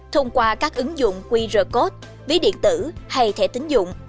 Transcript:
thông qua các ứng dụng qr code ví điện tử hay thẻ tính dụng